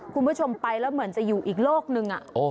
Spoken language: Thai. คุณผู้ชมไปแล้วเหมือนจะอยู่อีกโลกนึง